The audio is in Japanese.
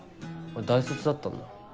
大卒だったんだ。